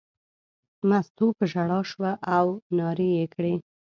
مستو په ژړا شوه او نارې یې کړې.